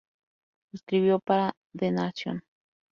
Escribió para "The Nation".